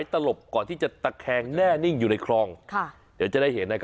รถเนี่ยเกิดเหตุก่อนถึงวัดคลองเมืองจังหวัดพิศนุโลก